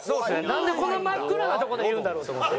なんでこんな真っ暗なとこで言うんだろうと思って。